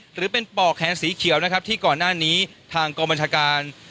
หรือเป็นปอกแขนสีเขียวนะครับที่ก่อนหน้านี้ทางกองบัญชาการ